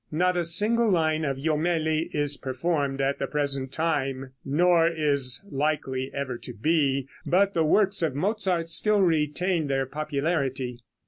Not a single line of Jomelli is performed at the present time, nor is likely ever to be; but the works of Mozart still retain their popularity.